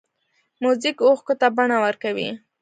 موزیک اوښکو ته بڼه ورکوي.